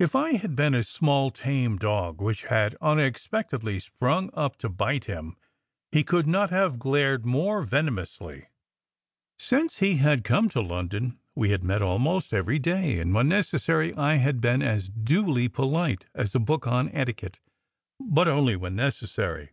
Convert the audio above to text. If I had been a small tame dog which had unexpectedly sprung up to bite him, he could not have glared more venomously. Since he had come to London we had met almost every day, and when necessary I had been as dully polite as a book on etiquette. But only when necessary.